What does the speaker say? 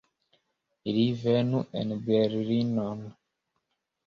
Ili venu en Berlinon!